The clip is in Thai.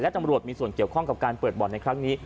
ตำรวจมีส่วนเกี่ยวข้องกับการเปิดบ่อนในครั้งนี้